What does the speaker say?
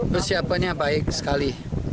persiapannya baik sekali